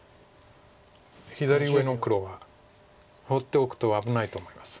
左上の黒が放っておくと危ないと思います。